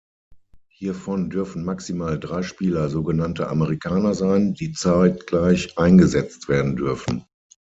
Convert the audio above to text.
Hiervon dürfen maximal drei Spieler sogenannte „Amerikaner“ sein, die zeitgleich eingesetzt werden dürfen.